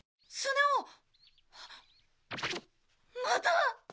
また！？